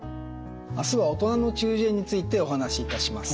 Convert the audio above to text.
明日は「大人の中耳炎」についてお話しいたします。